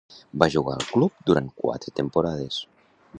Va jugar al club durant quatre temporades.